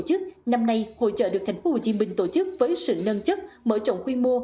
chức năm nay hỗ trợ được thành phố hồ chí minh tổ chức với sự nâng chất mở rộng quy mô